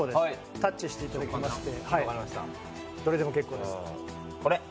タッチしていただきましてどれでも結構です。